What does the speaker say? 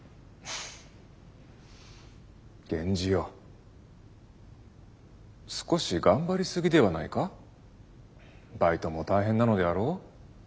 源氏よ少し頑張りすぎではないか？ばいとも大変なのであろう？